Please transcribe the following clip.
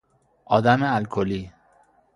آدم الکلی